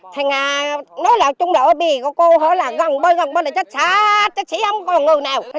thành ra nói là trung độ bị của cô hỏi là gần bơi gần bơi là chết sát chết sĩ không còn ngươi nào